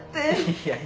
いやいや。